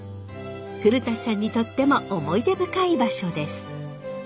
古さんにとっても思い出深い場所です。